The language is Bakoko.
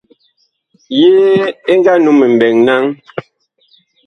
Yee ɛ nga num mɓɛɛŋ naŋ ?